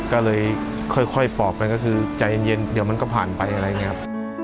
ก็เลยค่อยปอบกันก็คือใจเย็นเดี๋ยวมันก็ผ่านไปอะไรอย่างนี้ครับ